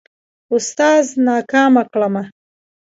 اوستاذ ناکامه کړمه.